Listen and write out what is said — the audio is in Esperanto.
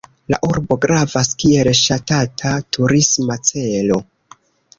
La urbo gravas kiel ŝatata turisma celo.